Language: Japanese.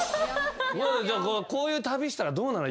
こういう旅したらどうなるの。